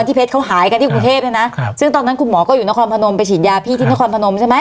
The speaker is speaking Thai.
เพชรเขาหายกันที่กรุงเทพเนี่ยนะซึ่งตอนนั้นคุณหมอก็อยู่นครพนมไปฉีดยาพี่ที่นครพนมใช่ไหม